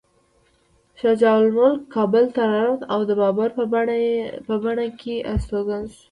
شجاع الملک کابل ته راننوت او د بابر په بڼ کې استوګن شو.